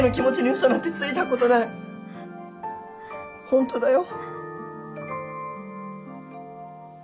ウソなんてついたことないホントだよ